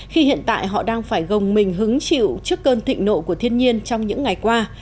khi hiện tại họ đang phải gồng mình hứng chịu trước cơn thịnh nộ của thiên nhiên trong những ngày qua